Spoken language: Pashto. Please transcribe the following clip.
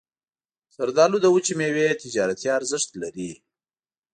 زردالو د وچې میوې تجارتي ارزښت لري.